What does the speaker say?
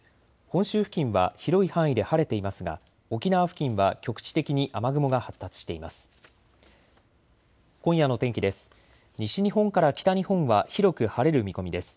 本州付近は広い範囲で晴れていますが沖縄付近は局地的に雨雲が発達しています。